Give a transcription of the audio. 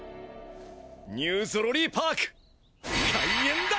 ニューゾロリーパーク開園だ！